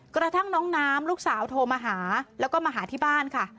กระทั่งน้องน้ำลูกสาวโทรมาหาแล้วก็มาหาที่บ้านค่ะ